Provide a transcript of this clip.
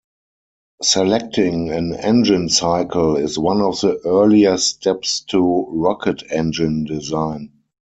Selecting an engine cycle is one of the earlier steps to rocket engine design.